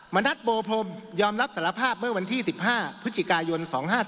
ณัฐโบพรมยอมรับสารภาพเมื่อวันที่๑๕พฤศจิกายน๒๕๔